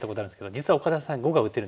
実は岡田さん碁が打てるんです。